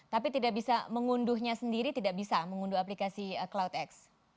tapi tidak bisa mengunduhnya sendiri tidak bisa mengunduh aplikasi cloudx